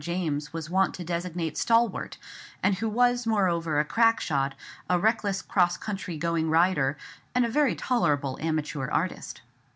James was wont to designate stalwart; and who was moreover a crack shot, a reckless cross country going rider, and a very tolerable amateur artist.